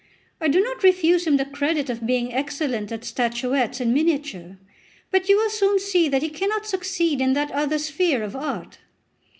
I do not refuse him the credit of being excellent at statuettes in miniature. But you will soon see that he cannot succeed in that other sphere of art."